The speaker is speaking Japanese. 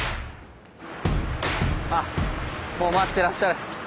あっもう待ってらっしゃる。